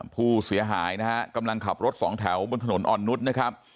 ผู้เสียหายนะฮะกำลังขับรถสองแถวบนถนนอ่อนนุษย์นะครับ